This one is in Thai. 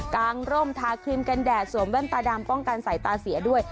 กลางร่มทาครีมกันแดดสวมแว่นตาดำป้องกันสายตาเสียด้วย